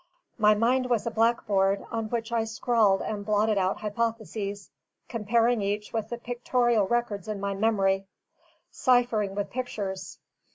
My mind was a blackboard, on which I scrawled and blotted out hypotheses; comparing each with the pictorial records in my memory: cyphering with pictures.